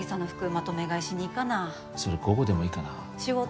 まとめ買いしに行かなそれ午後でもいいかな仕事？